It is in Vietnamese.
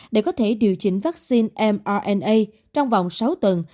để có thể điều chỉnh vaccine mrna trong vòng sáu tuần